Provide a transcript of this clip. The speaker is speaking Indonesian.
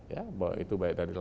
ya itu baik dari